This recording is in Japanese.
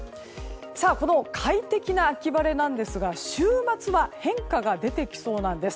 この快適な秋晴れなんですが週末は変化が出てきそうなんです。